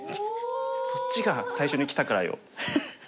そっちが最初にきたからよ。